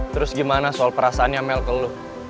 terus gimana soal perasaannya mel ke lo